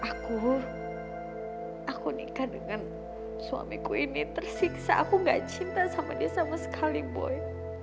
aku aku nikah dengan suamiku ini tersiksa aku gak cinta sama dia sama sekali boy